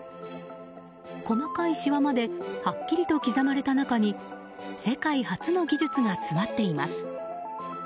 細かいしわまではっきりと刻まれた中に世界初の技術が詰まっています。